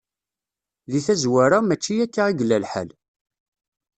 Di tazwara, mačči akka i yella lḥal.